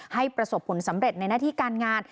ให้ประสบผลสำเร็จในหน้าที่การงาน